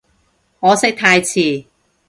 可惜太遲